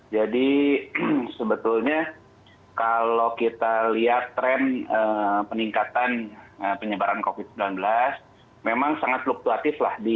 jadi sebetulnya kalau kita lihat tren peningkatan penyebaran covid sembilan belas memang sangat fluktuatif lah